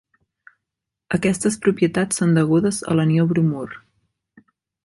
Aquestes propietats són degudes a l'anió bromur.